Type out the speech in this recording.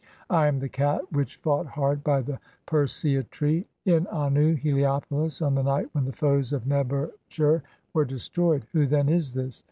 "I am the Cat which fought (?) hard by the Persea tree (19) "in Annu (Heliopolis), on the night when the foes of Neb er tcher "were destroyed." Who then is this?